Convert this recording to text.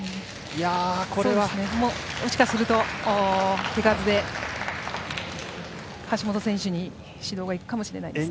もしかすると手数で橋本選手に指導が行くかもしれないですね。